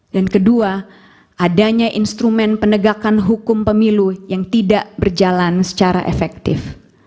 dan kedua adanya instrumen penegakan hukum pemilu yang tidak berjalan secara efektif